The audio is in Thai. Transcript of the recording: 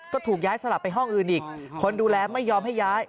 ก็ถูกย้ายสลับไปห้องอื่นอีกคนดูแลไม่ยอมให้ย้าย